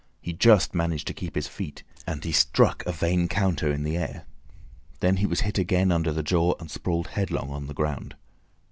He just managed to keep his feet, and he struck a vain counter in the air. Then he was hit again under the jaw, and sprawled headlong on the ground.